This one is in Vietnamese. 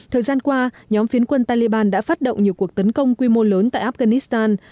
thời gian qua nhóm phiến quân taliban đã phát động nhiều cuộc tấn công quy mô lớn tại afghanistan